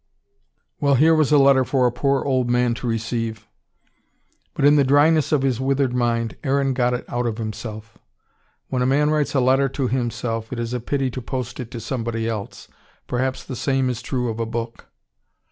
Well, here was a letter for a poor old man to receive. But, in the dryness of his withered mind, Aaron got it out of himself. When a man writes a letter to himself, it is a pity to post it to somebody else. Perhaps the same is true of a book.